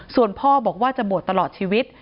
ส่วนพ่อบอกว่าจะบวชตลอดชีวิต